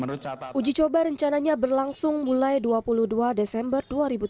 uji coba rencananya berlangsung mulai dua puluh dua desember dua ribu tujuh belas